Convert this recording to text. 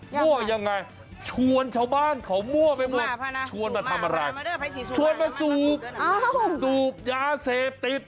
มั่วยังไงชวนชาวบ้านเขามั่วไปหมดชวนมาทำอะไรชวนมาสูบสูบยาเสพติด